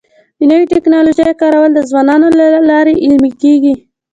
د نوې ټکنالوژۍ کارول د ځوانانو له لارې عملي کيږي.